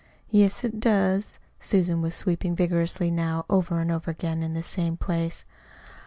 "Yes, it does." Susan was sweeping vigorously now, over and over again in the same place.